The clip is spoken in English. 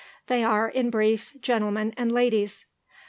They are, in brief, gentlemen and ladies.